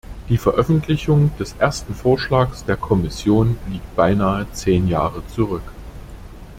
Die Veröffentlichung des ersten Vorschlags der Kommission liegt beinahe zehn Jahre zurück.